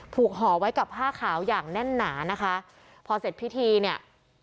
ห่อไว้กับผ้าขาวอย่างแน่นหนานะคะพอเสร็จพิธีเนี่ย